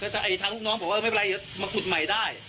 ถ้าทางลูกน้องบอกว่าไม่เป็นไรมาขุดใหม่ได้